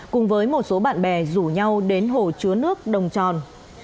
cùng với một số bạn bè rủ nhau đến hồ chứa nước đồng tròn